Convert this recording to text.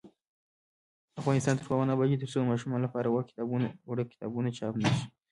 افغانستان تر هغو نه ابادیږي، ترڅو د ماشومانو لپاره وړ کتابونه چاپ نشي.